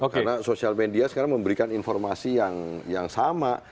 karena sosial media sekarang memberikan informasi yang sama